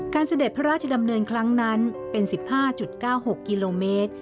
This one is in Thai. เสด็จพระราชดำเนินครั้งนั้นเป็น๑๕๙๖กิโลเมตร